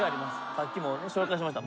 さっきも紹介しました。